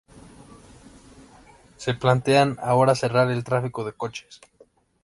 Se plantean ahora cerrar el tráfico de coches.